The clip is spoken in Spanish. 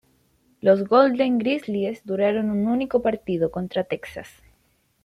Los Golden Grizzlies duraron un único partido, contra Texas.